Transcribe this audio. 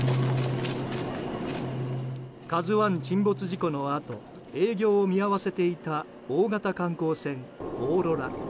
「ＫＡＺＵ１」沈没事故のあと営業を見合わせていた大型観光船「おーろら」。